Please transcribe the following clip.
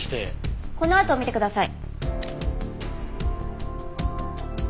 このあとを見てください。